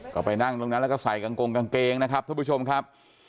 ก็ไปนั่งตรงนั้นแล้วก็ใส่กางกงกางเกงนะครับทุกผู้ชมครับ